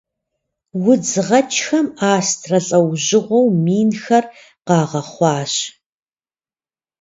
Удз гъэкӏхэм астрэ лӏэужьыгъуэу минхэр къагъэхъуащ.